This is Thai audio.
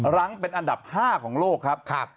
รั้งเป็นอันดับ๕ของโลกครับ